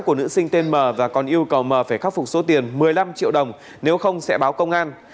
của nữ sinh tên m và còn yêu cầu m phải khắc phục số tiền một mươi năm triệu đồng nếu không sẽ báo công an